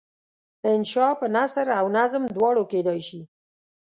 انشأ په نثر او نظم دواړو کیدای شي.